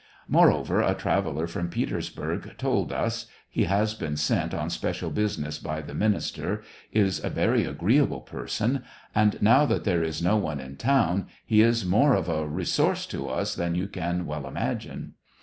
Moreover, a traveller from Peters burg told us (he has been sent on special business 42 SEVASTOPOL IN MAY, by the minister, is a very agreeable person, and, now that there is no one in town, he is more of a resource to us than you can well imagine